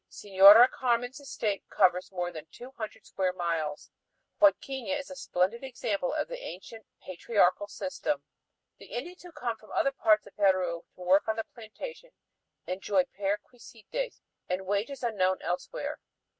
Señora Carmen's estate covers more than two hundred square miles. Huadquiña is a splendid example of the ancient patriarchal system. The Indians who come from other parts of Peru to work on the plantation enjoy perquisites and wages unknown elsewhere.